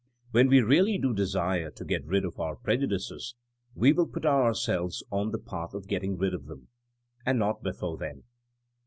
When we really do desire to get rid of our prejudices we will put ourselves on the path of getting rid of them. And not before then.